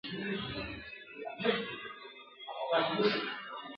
هر ځای مځکه د دې وړ وينو